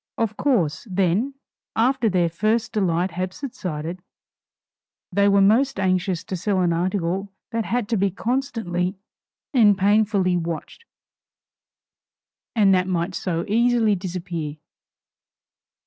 Of course, then, after their first delight had subsided, they were most anxious to sell an article that had to be constantly and painfully watched, and that might so easily disappear.